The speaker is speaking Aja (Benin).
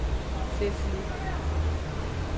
Fefli.